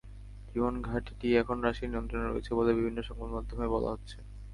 বিমান ঘাঁটিটি এখন রাশিয়ার নিয়ন্ত্রণে রয়েছে বলে বিভিন্ন সংবাদ মাধ্যমে বলা হচ্ছে।